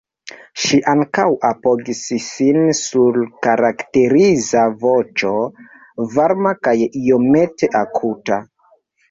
Ŝi ankaŭ apogis sin sur karakteriza voĉo, varma kaj iomete akuta.